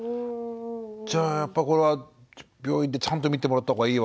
じゃあやっぱりこれは病院でちゃんと診てもらった方がいいはいいんですよね。